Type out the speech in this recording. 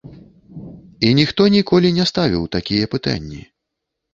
І ніхто ніколі не ставіў такія пытанні.